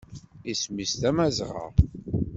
Isem-im Tamazɣa.